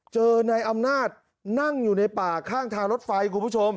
เจอนายอำนาจนั่งอยู่ในป่าข้างทางรถไฟคุณผู้ชม